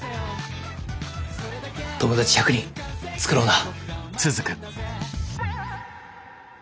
友達１００人作ろうな。